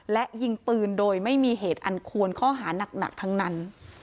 และยิงปืนโดยไม่มีเหตุอันควรข้อหานักทั้งนั้น